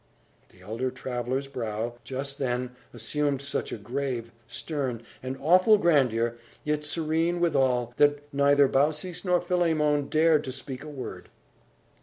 The elder traveller's brow, just then, assumed such a grave, stern, and awful grandeur, yet serene withal, that neither Baucis nor Philemon dared to speak a word.